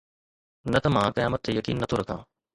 نه ته مان قيامت تي يقين نه ٿو رکان